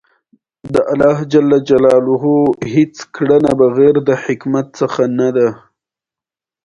دا ډول خلک ډېری وخت داسې موخې ټاکي.